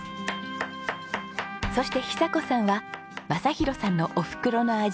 そして寿子さんは正博さんのおふくろの味